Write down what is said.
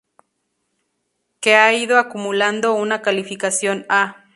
Que ha ido acumulando una calificación A".